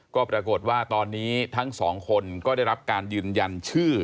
ก็ปรากฏว่าตอนนี้ทั้งสองคนก็ได้รับการยืนยันชื่อ